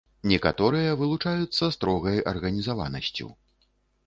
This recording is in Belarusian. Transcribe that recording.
Некаторыя вылучаюцца строгай арганізаванасцю.